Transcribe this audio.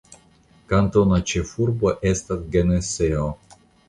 Kantona ĉefurbo estas Geneseo.